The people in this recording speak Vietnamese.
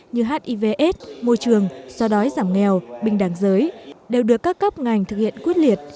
như hivs môi trường so đói giảm nghèo bình đẳng giới đều được các cấp ngành thực hiện quyết liệt